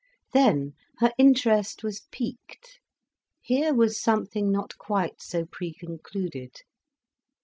Then her interest was piqued. Here was something not quite so preconcluded.